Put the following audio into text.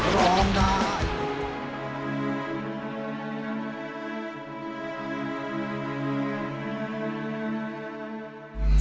ร้องได้